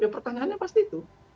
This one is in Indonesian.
ya pertanyaannya pasti itu